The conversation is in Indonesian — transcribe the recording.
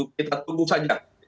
kita tunggu saja